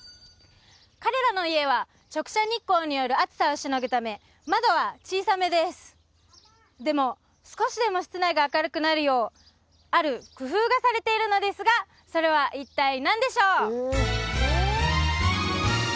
彼らの家は直射日光による暑さをしのぐため窓は小さめですでも少しでも室内が明るくなるようある工夫がされているのですがそれは一体何でしょう？